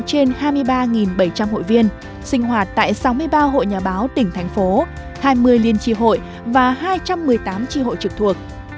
trên hai mươi ba bảy trăm linh hội viên sinh hoạt tại sáu mươi ba hội nhà báo tỉnh thành phố hai mươi liên tri hội và hai trăm một mươi tám tri hội trực thuộc